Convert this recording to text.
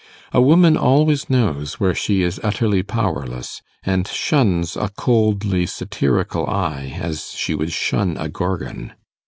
A woman always knows where she is utterly powerless, and shuns a coldly satirical eye as she would shun a Gorgon.